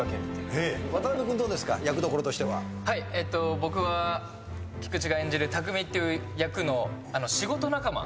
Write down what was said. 僕は菊池が演じる匠っていう役の仕事仲間。